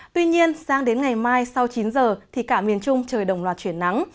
tuy nhiên sang đến ngày mai sau chín giờ thì cả miền trung trời đồng loạt chuyển nắng